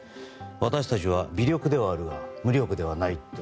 私たちは微力ではあるが無力ではないと。